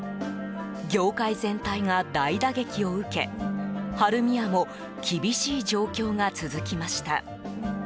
業界全体が大打撃を受け晴海屋も厳しい状況が続きました。